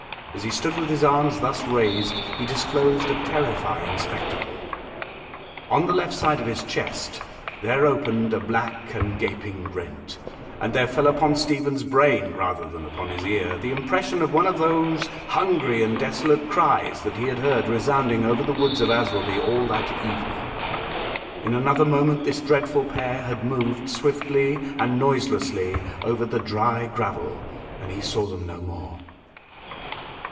As he stood with his arms thus raised, he disclosed a terrifying spectacle. On the left side of his chest there opened a black and gaping rent; and there fell upon Stephen's brain, rather than upon his ear, the impression of one of those hungry and desolate cries that he had heard resounding over the woods of Aswarby all that evening. In another moment this dreadful pair had moved swiftly and noiselessly over the dry gravel, and he saw them no more.